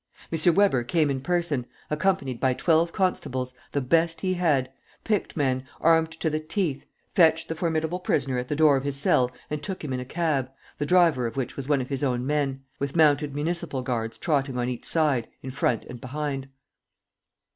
M. Weber came in person, accompanied by twelve constables the best he had, picked men, armed to the teeth fetched the formidable prisoner at the door of his cell and took him in a cab, the driver of which was one of his own men, with mounted municipal guards trotting on each side, in front and behind.